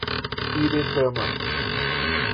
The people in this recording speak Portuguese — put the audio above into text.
Iretama